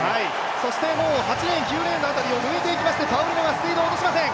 そしてもう８レーン９レーンの辺りを抜いてパウリノがスピードを落としません。